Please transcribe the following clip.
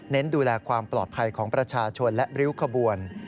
ดูแลความปลอดภัยของประชาชนและริ้วขบวน